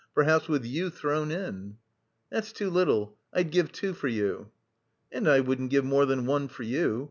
perhaps with you thrown in." "That's too little; I'd give two for you." "And I wouldn't give more than one for you.